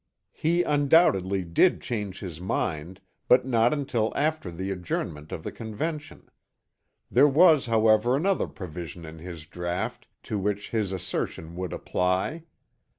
He undoubtedly did change his mind but not until after the adjournment of the Convention. There was however another provision in his draught to which his assertion would apply.